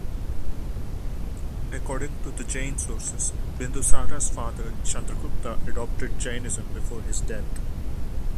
According to the Jain sources, Bindusara's father Chandragupta adopted Jainism before his death.